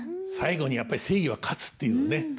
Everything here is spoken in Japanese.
最後にやっぱり正義は勝つっていうのね